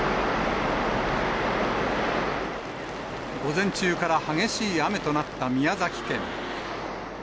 午前中から激しい雨となった宮崎県。